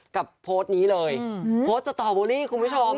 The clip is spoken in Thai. โพสต์นี้เลยโพสต์สตอเบอรี่คุณผู้ชม